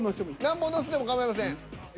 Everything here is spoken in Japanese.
何本乗せてもかまいません。